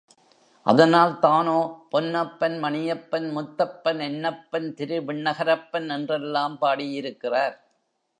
அதனால் தானே பொன்னப்பன், மணியப்பன், முத்தப்பன், என்னப்பன், திருவிண்ணகரப்பன் என்றெல்லாம் பாடியிருக்கிறார்.